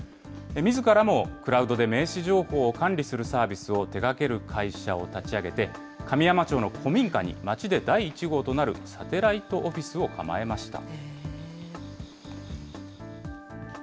みずからもクラウドで名刺情報を管理するサービスを手がける会社を立ち上げて、神山町の古民家に町で第１号となるサテライトオフィスを構えました。